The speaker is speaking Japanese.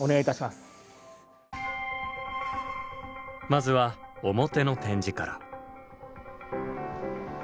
まずは表の展示から。